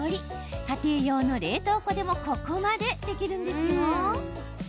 家庭用の冷凍庫でもここまでできるんです。